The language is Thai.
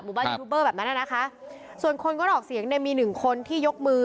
บ้านยูทูบเบอร์แบบนั้นน่ะนะคะส่วนคนงดออกเสียงเนี่ยมีหนึ่งคนที่ยกมือ